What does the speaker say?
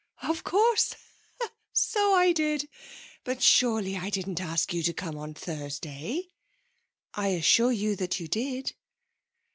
'Of course; so I did. But, surely, I didn't ask you to come on Thursday?' 'I assure you that you did.'